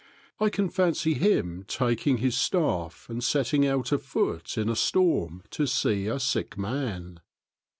I can fancy him taking his staff and setting out afoot in a storm to see a sick man."